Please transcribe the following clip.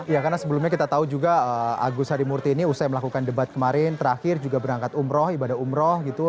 ya karena sebelumnya kita tahu juga agus harimurti ini usai melakukan debat kemarin terakhir juga berangkat umroh ibadah umroh gitu